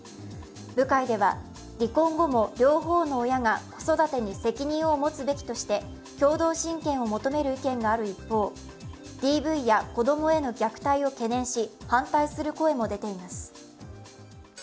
部会では離婚後も両方の親が子育てに責任を持つべきとして共同親権を求める意見がある一方、ＤＶや子供への虐待を懸念し、反対する声も出ています。